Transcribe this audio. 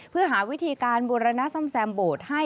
เพื่อหาวิธีการบูรณะซ่อมแซมโบสถ์ให้